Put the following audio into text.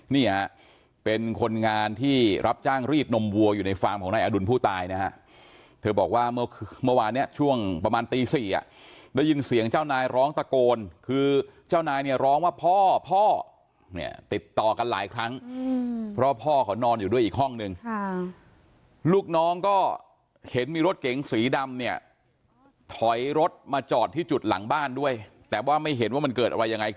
สีดำอยู่นี่เป็นคนงานที่รับจ้างรีดนมวัวอยู่ในฟาร์มของนายอดุลผู้ตายนะฮะเธอบอกว่าเมื่อเมื่อวานเนี้ยช่วงประมาณตีสี่อ่ะได้ยินเสียงเจ้านายร้องตะโกนคือเจ้านายเนี้ยร้องว่าพ่อพ่อเนี้ยติดต่อกันหลายครั้งอืมเพราะพ่อเขานอนอยู่ด้วยอีกห้องหนึ่งค่ะลูกน้องก็เห็นมีรถเก๋งสีดำเนี้ยถอยรถมาจอด